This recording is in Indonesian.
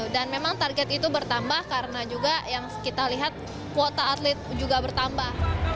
dan memang target itu bertambah karena juga yang kita lihat kuota atlet juga bertambah